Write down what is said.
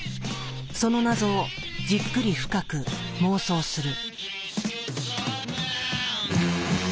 その謎をじっくり深く妄想する。